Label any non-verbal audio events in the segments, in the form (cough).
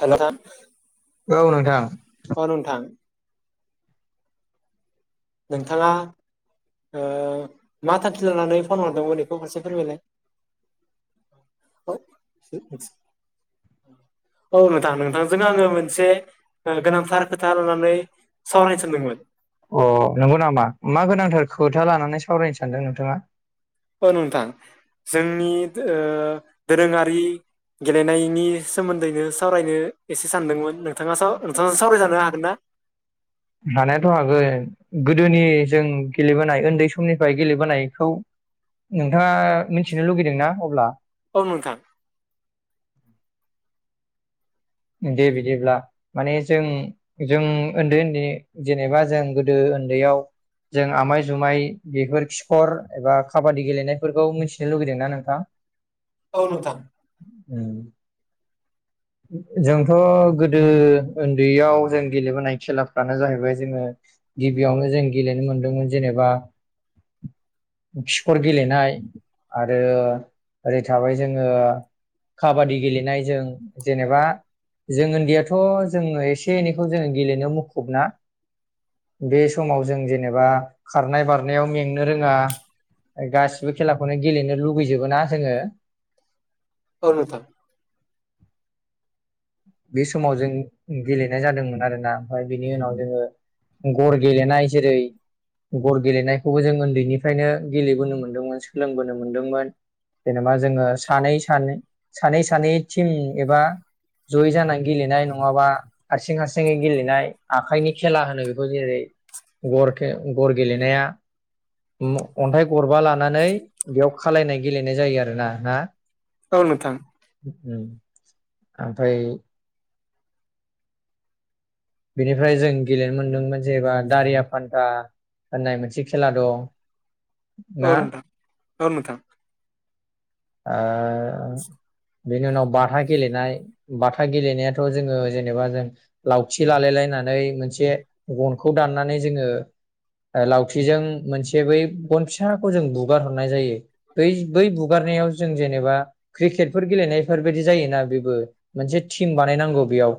हेल अ नोथां नोंथाङा मा थांखि लानानै फन हरदोंमोन बेखौ खनसे फोरमायलाय (unintelligible) (inaudible) औ नोंथां नोंथांजों आङो मोनसे गोनांथार खोथा लानानै सावरायनो सानदोंमोन नंगौ नामा मा गोनांथार खोथा लानानै सावराय नो सानदों नोंथाङा? अ नोंथां जोंनि दोरोङारि गेलेनायनि सोमोन्दै नो सावरायनो एसे सानदोंमोन नोंथाङा नोंथां सावरायजानो हागोन ना? हानायाथ हागोन गोदोनि जों गेलेबोनाय उन्दै समनिफ्राय गेलेबोनायखौ नोंथाङा मिथिनो लुगैदोंना अब्ला औ नोंथां दे बिदिब्ला माने जों जों उन्दै उन्दै जेनेबा जों गोदो बेयाव जों आमाय जुमाय बेफोर खिखर एबा काबादि गेलेनायफोरखौ मिथि लुगैदोंना नोंथां औ नोंथां उम जोंथ गोदो उन्दैयाव जों गेलेबोनाय खेलाफ्रानो जाहैबाय जोङो गिबियावनो जों गेलेनो मोनदोंमोन जेनेबा खिखर गेलेनाय आरो ओरै थाबाय जोङो काबादि गेलेनाय जों जेनेबा जों उन्दैयाथ जोङो एसे एनैखौ जोङो गेलेनो मुखुब ना बे समाव जों जेनेबा खारनाय बारनायाव मेंनो रोङा गासिबो खेलाखौनो गेलेनो लुगैजोबो ना जोङो बे समाव जों गेलेनाय जादोंमोन आरोना ओमफ्राय बेनि उनाव जोङो गर गेलेनाय जेरै गर गेलेनायखौबो जों उन्दैनिफ्रायनो गेलेबोनो मोन्दोंमोन सोलोंबोनो मोनदोंमोन। जेनेबा जोङो सानै सानै सानै सानै टिम एबा जयै जानानै गेलेनाय नङाबा हारसिं हारसिङै गेलेनाय आखाइनि खेला होनो बेखौ जेरै ग'र खे ग'र गेलेनाया अन्थाइ गरबा लानानै बेयाव खालायनाय गेलेनाय जायो आरोना ना औ ओमफ्राय बेनिफ्राय जों गेलेनो मोनदोंमोन जेनबा दारिया फान्था होननाय मोनसे खेला दं ना? ओ बेनि उनाव बाथा गेलेनाय बाथा गेलेनायाथ जोङो जेनेबा जों लावथि लालाय लायनानै मोनसे गनखौ दाननानै जोङो लावथिजों मोनसे बै गनफसाखौ जों बुगार हरनाय जायो बै बै बु बुगारनायाव जों जेनेबा क्रिकेटफोर गेलेनायफोरबायदि जायोना बेबो मोनसे टिम बानायनांगौ बेयाव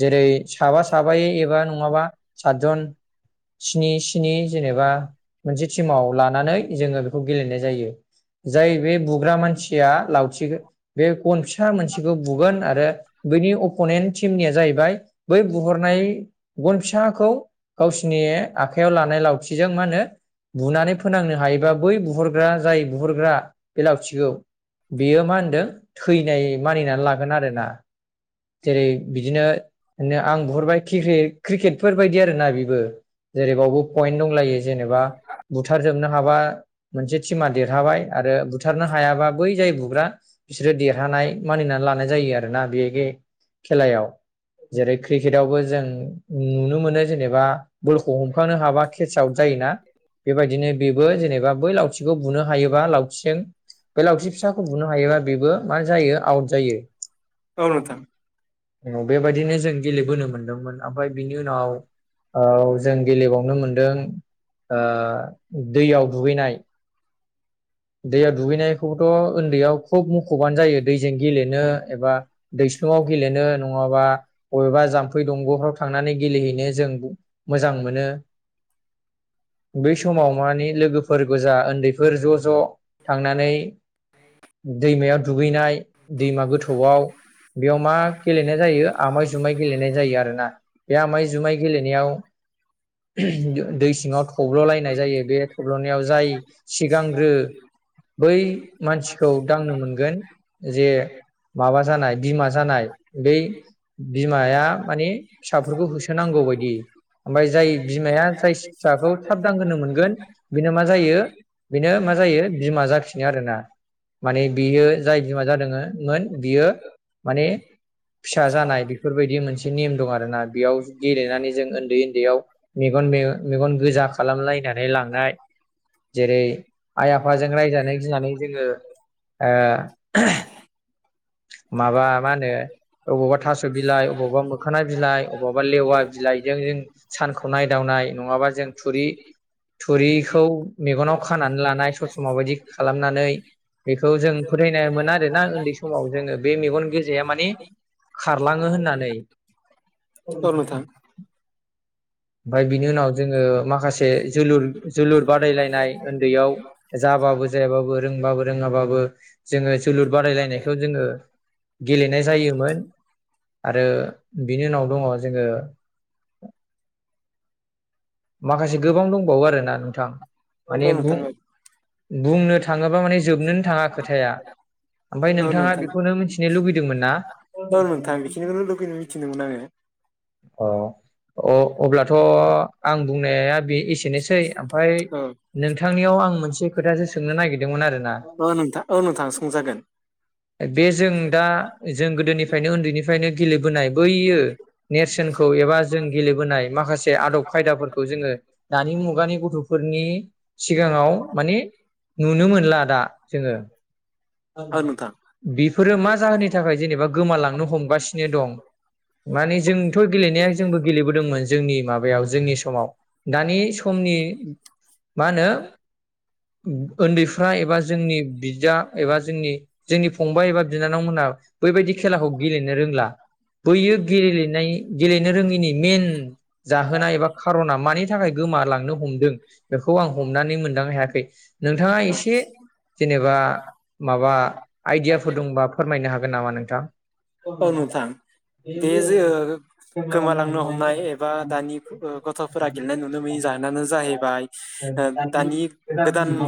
जेरै साबा साबायै एबा नङाबा सातजन स्नि स्नि जेनेबा मोनसे टिमाव लानानै जोङो बेखौ गेलेनाय जायो। जाय बे बुग्रा मानसि या लावथि बे गन फिसा मोनसेखौ बुगोन आरो बैनि अपनेन्ट टिमनिया जाहैबाय बै बुहरनाय गन फिसाखौ गावसिरनि आखयाव लानाय लावथिजों मा होनो बुनानै फोनांनो हायोबा बै बुहरग्रा जाय बुहरग्रा बे लावथिखौ बियो मा होनदों थैनाय मानिनानै ला नांगोन आरो ना जेरै बिदिनो आं बहरबाय टिकेट क्रिकेटफोर बादि आरोना बेबो जेरैबावबो प एन दंलायो जेनबा बुथारजोबनो हाबा मोनसे टिमा देरहाबाय आरो बुथारनो हायाबा बै जाय बुग्रा बिसोरो देरहानाय मानिनानै लानाय जायो आरोना बे गेम खेलायाव जेरै क्रिकेटावबो जों नुनो मोनो जेनेबा बलखौ हमखांनो हाबा केस आउट जायोना बेबायदिनो बेबो जेनेबा बै लावथिखौ बुनो हायोबा लावथिजों बे लावथि फिसाखौ बुनो हायोबा बेबो मा जायो आउट जायो औ बेबायदिनो जों गेलेबोनो मोनदोंमोन। ओमफ्राय बिनि उनाव औ जों गेलेबावनो मोनदों ओ दैयाव दुगैनाय दैयाव दुगैनायखौथ उन्दैयाव खुब मुखुबबानो जायो दैजों गेलेनो एबा दैस्लुआव गेलेनो नङाबा बबेबा जाम्फै दंगफ्राव थांनानै गेलेहैनो जों मोजां मोनो। बै समाव मानि लोगोफोर गोजा उन्दै फोर ज' ज' थांनानै दैमायाव दुगैनाय दैमा गोथौआव बेयाव मा गेलेनाय जायो आमाय-जुमाय गेलेनाय जायो आरोना बे आमाय जुमाय गेलेनायाव दै सिङाव थब्ललायनाय जायो बे थब्लनायाव जाय सिगांग्रो बै मानसिखौ दांनो मोनगोन जे माबा जानाय बिमा जानाय बै बिमाया माने फिसाफोरखौ होसोनांगौ बायदि ओमफ्राय जाय बिमाया जाय फिसाखौ थाब दांहोनो मोनगोन बेनो मा जायो बेनो मा जायो बिमा जाफिनो आरोना माने बियो जाय बिमा जादों मोन बियो माने फिसा जानाय बेफोरबायदि मोनसे नेम दं आरोना बेयाव गेलेनानै जों ओन्दै ओन्दैयाव मेग-मेगन गोजा खालामलायनानै लांनाय जेरै आइ-आ फाजों रायजानो गिनानै जोङो ओ माबा मा होनो अबावबा थास बिलाइ, अबावबा मोखाना बिलाइ, अबावबा लेवा बिलाइजों जों सानखौ नायदावनाय नङाबा जों थुरि थुरिखौ मेगनाव खानानै लानाय सस्रमा माबायदि खालामनानै बेखौ जों फोथायनाय ओ मोना आरोना उन्दै सम समाव जोङो बे मेगन गोजाया माने खारलाङो होननानै ओमफ्राय बिनि उनाव जोङो माखासे जोलुर जोलुर बादायलायनाय ओन्दैयाव जाबाबो जायाबाबो रोंबाबो रोङाबाबो (inaudible) जोङो जोलुर बादायलायनायखौ जोङो गेलेनाय जायोमोन आरो बिनि उनाव दङ जोङो (inaudible) माखासे गोबां दंबावो आरोना नोंथां माने बुं-बुंनो थाङोबा माने जोबनोनो थाङा खोथाया ओमफाय नोंथाङा बेखौनो मिथिनो लुबैदोंमोन ना अ अ अब्लाथ आं बुंनाया बे एसेनोसै ओमफ्राय नोंथांनियाव आं मोनसे खोथासो सोंनो नागिरदोंमोन आरोना बे जों दा जों गोदोनिफ्रायनो उन्दैनिफ्रायनो बोनाय बैयो सोनखौ एबा जों गेलेबोनाय माखासे आदब खायदाफोरखौ जोङो दानि मुगानि गथफोरनि नि सिगाङाव माने नुनो मोनला दा जोङो बेफोरो मा जाहोननि थाखाय जेनेबा गोमालांनो हमगासिनो दं माने जोंथ गेलेनाया जोंबो गेलेबोदोंमोन जोंनि माबायाव जोंनि समाव दानि समनि मा होनो उम उन्दैफ्रा एबा जोंनि बिदा एबा जोंनि जोंनि फंबाय एबा बिनानावमोनहा बैबायदि खेलाखौ गेलेनो रोंला बैयो गेलनाय गेलेनो रोङैनि मेन जाहोना एबा खारना मानि थाखाय गोमालांनो हमदों बेखौ आं हमनानै मोनदांनो हायाखै नोंथां ङा एसे जेनेबा माबा आइडियाफोर दंबा फोरमायनो हागोन नामा नोंथां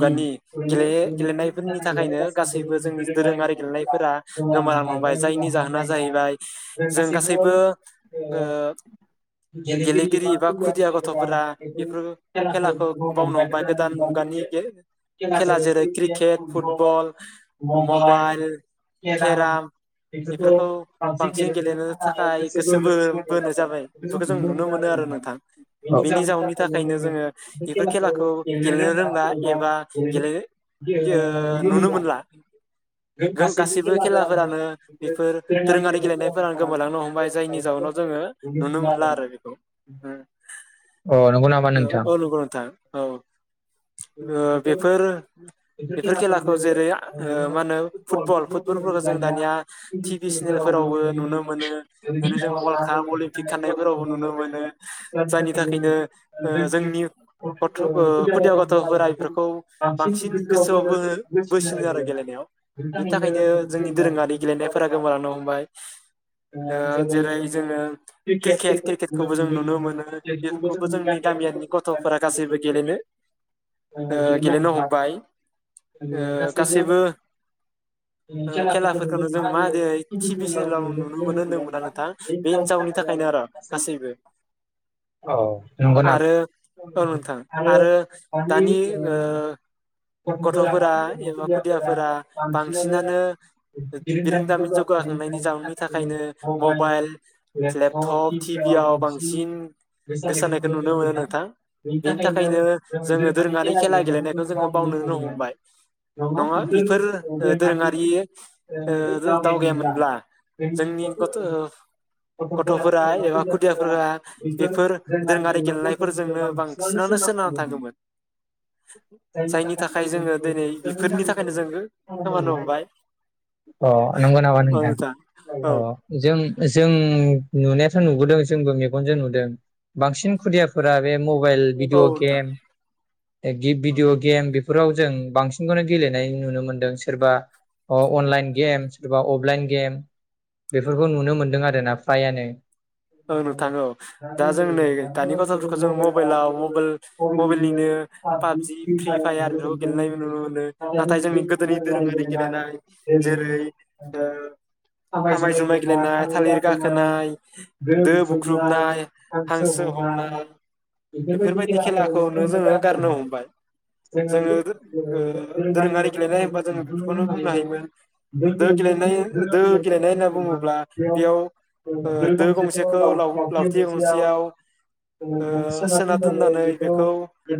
मुगानि गेले-गेलेनायफोरनि थाखायनो गासैबो जोंनि दोरोङारि गेलेनायफोरा गोमालांनो हमबाय जायनि जाहोना जाहैबाय जों गासैबो ओ गेलेगिरि एबा खुदिया गथफोरा बेफोर खेलाखौ बावनो हमबाय गोदान मुगानि गे खेला जेरै क्रिकेट फुटबल मबाइल केराम बेफोरखौ बांसिन गेलेनो थाखाय गोसो बो-बोनो जाबाय बेफोरखौ जों नुनो मोनो आरो नोंथां बेनि जाउननि थाखायनो जोङो इफोर खेलाखौ गेलेनो रोंला एबा गेले गेओ नुनो मोनला गासैबो खेलाफोरानो बेफोर दोरोङारि गेलेनायफोरान गोमालांनो हमबाय जायनि जाउनाव जोङो नुनो मोनला आरो बेखौ ओ ओ औ नंगौ नोंथां औ ओ बेफोर बेफोर खेलाखौ जेरैआ ओ मा होनो फुटबल फुटबलफोरखौ जों दानिया टिभि सिनेलफोरावबो नुनो मोनो जेरै जों वर्ल्ड काप अलिम्पिक खान्नायफोरावबो नुनो मोनो जायनि थाखायनो ओ जोंनि गथ ओ खुदिया गथफोरा बेफोरखौ बांसिन गोसोआवबो हो बोसि आरो गेलेनायाव बिनि थाखायनो जोंनि दोरोङारि गेलेनायफोरा गोमालांनो हमबाय ओ जेरै जोङो क्रिकेट क्रिकेटखौबो जों नुनो मोनो बेफोरखौबो जोंनि गामियारिनि गथ'फोरा गासैबो गेलेनो ओ गेलेनो हमबाय ओ गासैबो ओ खेलाफोरखौनो जों मा होदो टि भि सेनेलाव नुनो मोनो होनदोंमोनना नोंथां बे जाउननि थाखायनो आरो गासैबो आरो औ नोंथां आरो दानि ओ गथ'फोरा एबा खुदियाफोरा बांसिनानो बिरोंदामिन जौगाखांनायनि जाउननि थाखायनो मबाइल लेपटप टिभियाव बांसिन गोसो जानायखौ नुनो मोनो नोंथां बेनि थाखायनो जोङो दोरोङारि खेला गेलेनायखौ जों बावनोनो हमबाय नङा बेफोर ओ दोरोङारि ओ दावगायामोनब्ला जोंनि गथ'गथ'फोरा एबा खुदियाफोरा बेफोर दोरोङारि गेलेनायफोरजोंनो बांसिनानो सोनारना थागौमोन (inaudible) (unintelligible) अ नंगौ नामा नोंथां अ जों जों नुनायाथ जों नुबोदों जोंबो मेगनजों नुदों बांसिन खुदियाफोरा बे मबाइल भिदिअ गेम गि भिदिअ गेम बेफोराव जों बांसिन गेलेनाय नुनो मोन्दों सोरबा अ अनलाइन गेमस सोरबा अफलाइन गेम बेफोरखौ नुनो मोनदों आरो ना फ्राय आनो। औ नोथां औ दा जों नै दानि गथ'फोरखौ जों मबेलाव मबेल मबेलनिनो पाबजि फ्रि फायार बेफोरखौ गेलेनाय नुनो मोनो नाथाय जोंनि गोदोनि दोरोङारि गेलेनाय जेरै ओ आमाय जुमाय गेलेनाय थालिर गाखोनाय दो बुख्रुबनाय हांसो हमनाय बेफोरबायदि खेलाखौनो जोङो गारनो हमबाय जोङो दो ओ दोरोङारि गेलेनाय होनबा जोङो बेफोरखौनो बुंनो हायोमोन दो गेलेनाय दो गेलेनाय होनना बुङोब्ला बेयाव ओ दो गंसे खौ लावथि गंसेयाव ओ सोना दोननानै बेखौ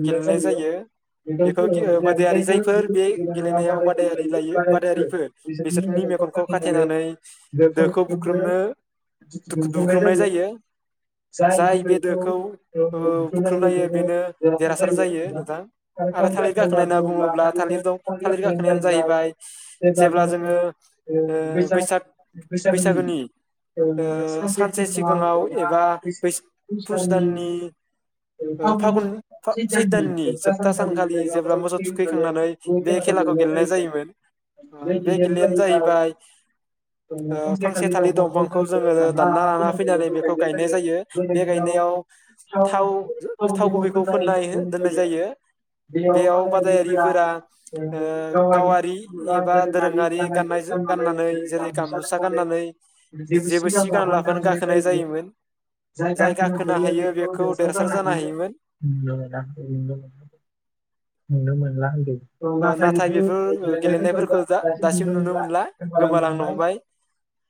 गेलेनाय जायो बेखौदि बादायारि जायफोर बे गेलेनायाव बादायारि लायो बादायारिफोर बिसोरनि मेगनखौ खाथेनानै दोखौ बुख्रुबनो दुखुदु ख्रुबनाय जायो जाय बेदोखौ बुख्रुबनाय हायो बेनो देरहासार जायो नोंथां। आरो थालिर गाखोनाय होनना बुङोब्ला थालिर दं थालिर गाखोनायानो जाहैबाय जेब्ला जोङो बैसाग बैसागोनि सा से सिगाङाव एबा बैस-फुस दाननि ओ फागुन फा सै दाननि जोब था सानखालि जेब्ला मोसौ थुखैखांनानै बे खेलाखौ गेलेनाय जायोमोन बे गेलेनायानो जाहैबाय फांसे थालिर दंफांखौ जोङो दा ना लाना फैनानै बेखौ गायनाय जायो बे गायनायाव थाव थाव गुबैखौ फोननाय दोननाय जायो। बेयाव बादायारिफोरा गावारि एबा दोरोङारि गाननाय गाननानै जेरै गामसा गाननानै जेबो सि गान लाफानो गाखोनाय जायोमोन जाय गाखोनो हायो बेखौ देरसार जानो हायो (unintelligible) नुनो मोनला (unintelligible) नाथाय बेफोर गेलेनायखौ जों दा नुनो मोनला (unintelligible)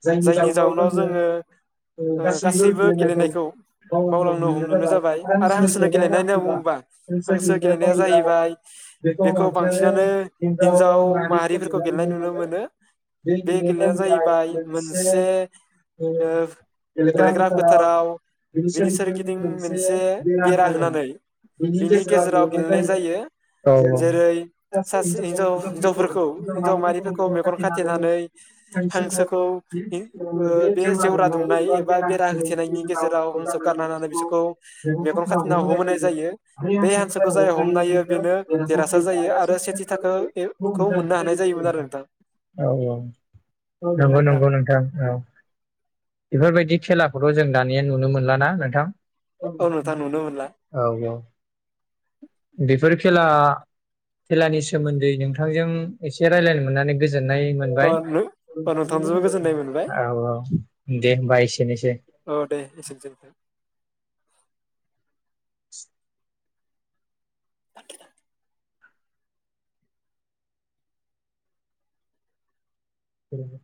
जायनि जाउनाव जोङो गासैबो गेलेनायखौ गावाव गनाय जाबाय फन्सनेल (unintelligible) बे जाहैबाय बेखौ बांसिनानो हिनजाव माहारिफोरखौ गेलेनाय नुनो मोनो बे गेलेनाया जाहैबाय मोनसे गेलेग्रा फोथाराव बिनि सोरगिदिं मोनसे बेरा होनानै बिनि गेजेराव गेलेनाय जायो औ औ सासे हिनजाव हिनजावफोरखौ हिनजाव माहारिफोरखौ मेगन खाथेनानै हांसोखौ ओ बे जेवरा दुंनाय एबा बेरा होथेनायनि गेजेराव हांसो गारना होननानै बिसोरखौ मेगन खाथेना हमहोनाय जायो बे हांसोखौ जायो (unintelligible) देरहासार जायो आरो (unintelligible) मोननो हानाय जायो आरो नोंथां औ औ नंगौ नंगौ नोंथां औ बेफोरबायदि बिदि खेलाखौथ जों दानिया नुनो मोनला ना नोंथां? (unintelligible) औ औ बेफोर खेला खेलानि सोमोन्दै नोंथांजों एसे रायलायनो मोननानै गोजोन गोजोननाय मोनबाय (unintelligible) औ औ दे होमबा एसेनोसै (inaudible) (inaudible) औ